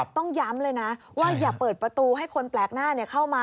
ต้องย้ำเลยนะว่าอย่าเปิดประตูให้คนแปลกหน้าเข้ามา